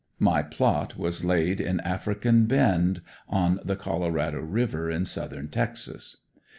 My plot was laid in African Bend on the Colorado river in Southern Texas.